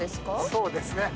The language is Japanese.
そうですね。